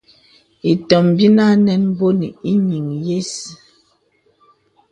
Ìtòm bì ànɛn bpɔnì ìyìŋ yə̀s.